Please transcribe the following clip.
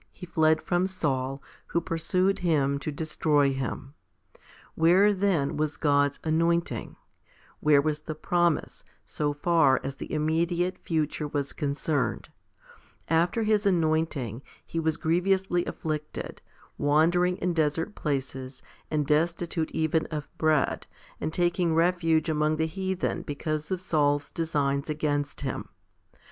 fled from Saul, who pursued him to destroy him. Where then was God's 69 70 FIFTY SPIRITUAL HOMILIES anointing? Where was the promise, so far as the imme diate future was concerned? After his anointing, he was grievously afflicted, wandering in desert places, and destitute even of bread, and taking refuge among the heathen because of Saul's designs against him.